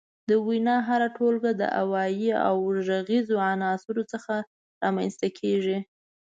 د وينا هره ټولګه د اوايي او غږيزو عناصرو څخه رامنځ ته کيږي.